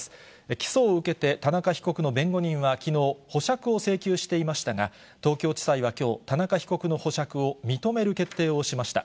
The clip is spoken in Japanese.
起訴を受けて、田中被告の弁護人はきのう、保釈を請求していましたが、東京地裁はきょう、田中被告の保釈を認める決定をしました。